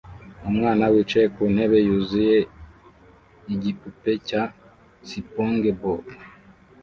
Umwana wicaye ku ntebe yuzuye igipupe cya SpongeBob